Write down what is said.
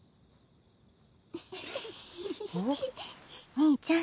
兄ちゃん。